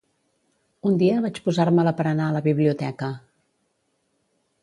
Un dia, vaig posar-me-la per anar a la biblioteca.